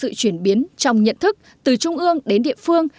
và một sự chuyển biến trong nhận thức từ trung ương đến địa phương